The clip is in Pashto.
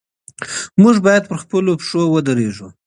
موږ بايد پر خپلو پښو ودرېږو.